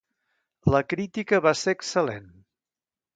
La crítica va ser excel·lent.